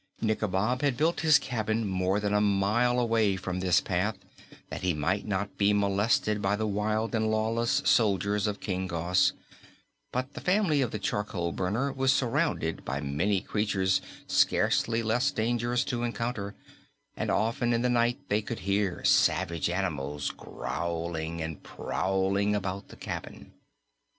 Nikobob had built his cabin more than a mile away from this path, that he might not be molested by the wild and lawless soldiers of King Gos, but the family of the charcoal burner was surrounded by many creatures scarcely less dangerous to encounter, and often in the night they could hear savage animals growling and prowling about the cabin.